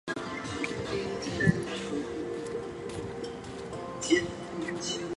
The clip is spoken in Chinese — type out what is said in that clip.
尖叶假龙胆为龙胆科假龙胆属下的一个种。